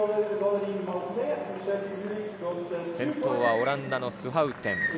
先頭はオランダのスハウテン。